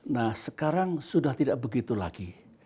nah sekarang sudah tidak begitu lagi